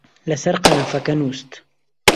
لەسەر قەنەفەکە نووست